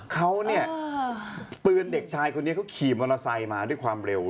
เขาเนี่ยเตือนเด็กชายคนนี้เขาขี่มอเตอร์ไซค์มาด้วยความเร็ว